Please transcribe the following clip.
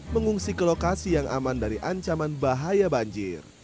mengungsi ke lokasi yang aman dari ancaman bahaya banjir